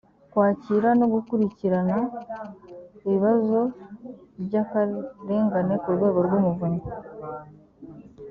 kwakira no gukurikirana ibibazo by akarengane ku rwego rw umuvunyi